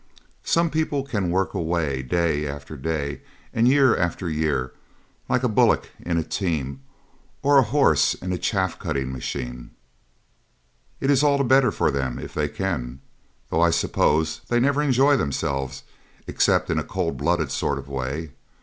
Some people can work away day after day, and year after year, like a bullock in a team or a horse in a chaff cutting machine. It's all the better for them if they can, though I suppose they never enjoy themselves except in a cold blooded sort of way.